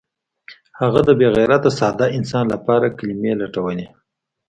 هغه د بې غیرته ساده انسان لپاره کلمې لټولې